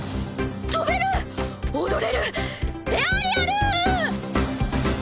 飛べる踊れるエアリアル！